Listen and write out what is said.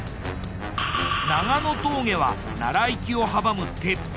長野峠は奈良行きを阻む鉄壁